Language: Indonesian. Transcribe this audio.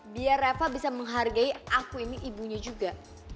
biar eva bisa menghargai aku ini ibunya juga